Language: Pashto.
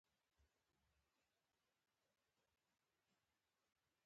ازادي راډیو د امنیت په اړه د محلي خلکو غږ خپور کړی.